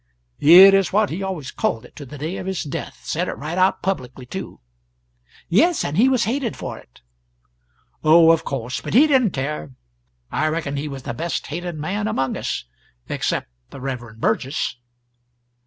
"It is what he always called it, to the day of his death said it right out publicly, too." "Yes, and he was hated for it." "Oh, of course; but he didn't care. I reckon he was the best hated man among us, except the Reverend Burgess."